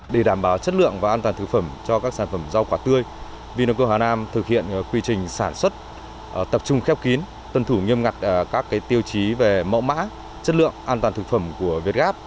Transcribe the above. để đảm bảo chất lượng và an toàn thực phẩm cho các sản phẩm rau quả tươi vinoco hà nam thực hiện quy trình sản xuất tập trung khép kín tân thủ nghiêm ngặt các tiêu chí về mẫu mã chất lượng an toàn thực phẩm của việt gáp